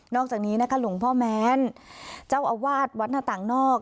อกจากนี้นะคะหลวงพ่อแม้นเจ้าอาวาสวัดหน้าต่างนอก